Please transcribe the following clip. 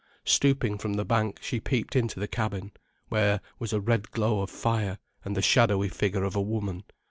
Stooping from the bank, she peeped into the cabin, where was a red glow of fire and the shadowy figure of a woman.